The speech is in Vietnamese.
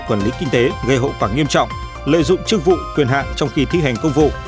quản lý kinh tế gây hậu quả nghiêm trọng lợi dụng chức vụ quyền hạn trong khi thi hành công vụ